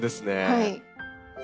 はい。